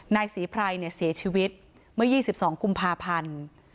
นายศรีไพรเสียชีวิตเมื่อ๒๒กุมภาพันธ์